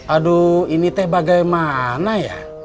aduh ini teh bagaimana ya